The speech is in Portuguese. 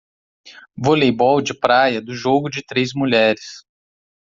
Voleibol de praia do jogo de três mulheres.